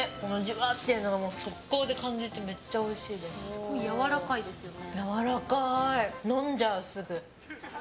すごいやわらかいですよね。